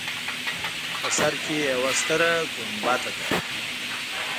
په سر کې یوه ستره ګومبزه ده.